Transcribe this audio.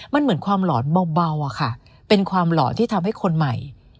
มันเหมือนความหลอนเบาอะค่ะเป็นความหลอนที่ทำให้คนใหม่